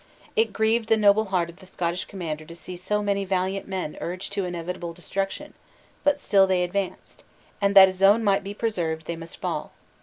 It grieved the noble heart of the Scottish commander to see so many valiant men urged to inevitable destruction; but still they advanced, and that his own might be preserved they must fall.